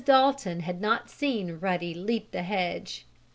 Dalton had not seen Ruddy leap the hedge.